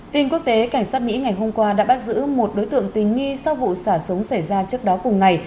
tin quốc tế cảnh sát mỹ ngày hôm qua đã bắt giữ một đối tượng tình nghi sau vụ xả súng xảy ra trước đó cùng ngày